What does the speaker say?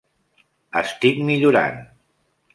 Estic millorant.